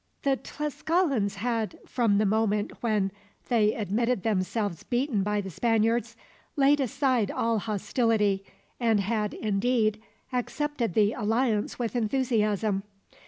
The Tlascalans had, from the moment when they admitted themselves beaten by the Spaniards, laid aside all hostility; and had, indeed, accepted the alliance with enthusiasm.